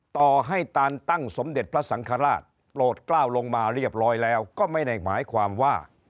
ต่อให้ตานตั้งสมเด็จพระสังฆราชโปรดกล้าวลงมาเรียบร้อยแล้วก็ไม่ได้หมายความว่า